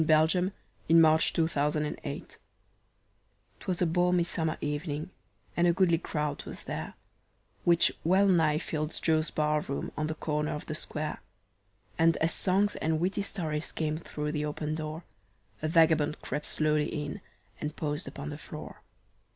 Y Z The Face on the Barroom Floor 'TWAS a balmy summer evening, and a goodly crowd was there, Which well nigh filled Joe's barroom, on the corner of the square; And as songs and witty stories came through the open door, A vagabond crept slowly in and posed upon the floor.